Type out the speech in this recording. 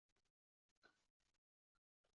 — Hur qizlar-u-u! — deb qichqirdi birdan Аmir